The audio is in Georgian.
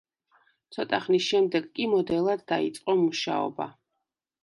ცოტა ხნის შემდეგ კი მოდელად დაიწყო მუშაობა.